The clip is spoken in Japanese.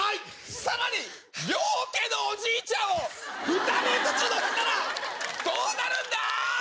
更に両家のおじいちゃんを２人ずつ乗せたらどうなるんだー？